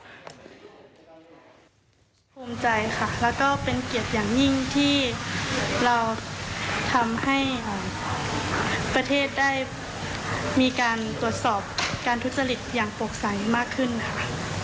ภูมิใจค่ะแล้วก็เป็นเกียรติอย่างยิ่งที่เราทำให้ประเทศได้มีการตรวจสอบการทุจริตอย่างโปร่งใสมากขึ้นค่ะ